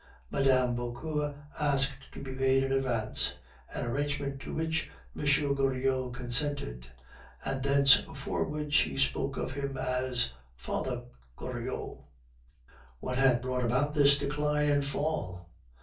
Mme. Vauquer asked to be paid in advance, an arrangement to which M. Goriot consented, and thenceforward she spoke of him as "Father Goriot." What had brought about this decline and fall?